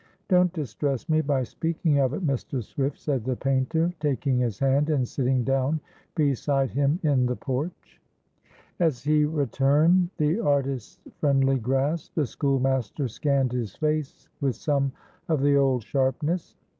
"Don't distress me by speaking of it, Mr. Swift," said the painter, taking his hand, and sitting down beside him in the porch. As he returned the artist's friendly grasp, the schoolmaster scanned his face with some of the old sharpness.